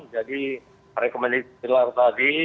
jadi rekomendasi pilar tadi